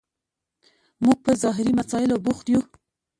موږ په ظاهري مسایلو بوخت یو.